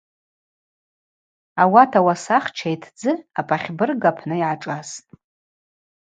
Ауат ауасахча йтдзы апахьбырг апны йгӏашӏастӏ.